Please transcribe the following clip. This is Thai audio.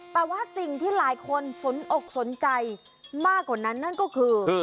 แต่ว่าสิ่งที่หลายคนสนอกสนใจมากกว่านั้นนั่นก็คือ